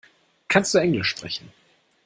Kannst du englisch sprechen?